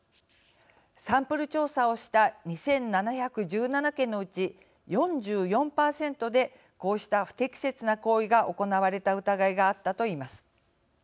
サンプル調査をした２７１７件のうち、４４％でこうした不適切な行為が行われた疑いがあったといいます。